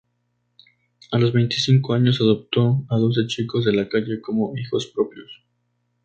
A los veinticinco años adoptó a doce chicos de la calle como hijos propios.